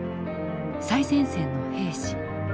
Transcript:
最前線の兵士。